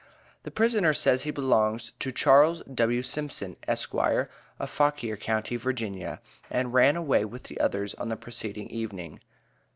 The prisoner says he belongs to Charles W. Simpson, Esq., of Fauquier county, Va., and ran away with the others on the preceding evening."